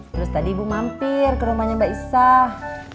terus tadi ibu mampir ke rumahnya mbak isah